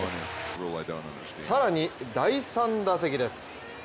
更に第３打席です。